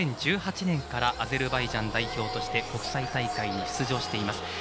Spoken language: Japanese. ２０１８年からアゼルバイジャン代表として国際大会に出場しています。